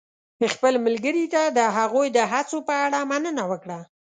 خپل ملګري ته د هغوی د هڅو په اړه مننه وکړه.